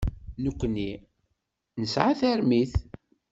Nekkni nesɛa tarmit.